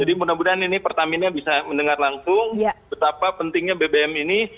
jadi mudah mudahan ini pertamina bisa mendengar langsung betapa pentingnya bbm ini